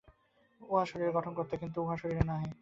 উহা শরীরের গঠনকর্তা, কিন্তু উহা শরীর নহে।